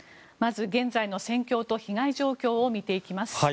まず、現在の戦況と被害状況を見ていきます。